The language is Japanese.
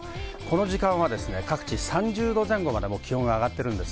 各地３０度前後まで気温が上がっています。